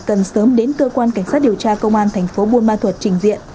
cần sớm đến cơ quan cảnh sát điều tra công an tp buôn ma thuật trình diện